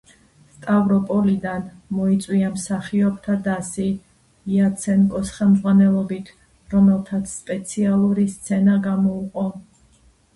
ათას რვაასორმოცდახუთი წელს მან სტავროპოლიდან მოიწვია მსახიობთა დასი იაცენკოს ხელმძღვანელობით, რომელთაც სპეციალური სცენა გამოუყო.